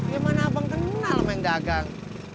ya mana abang kenal sama yang dagang